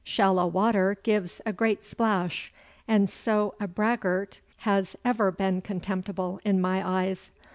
Shallow water gives a great splash, and so a braggart has ever been contemptible in my eyes.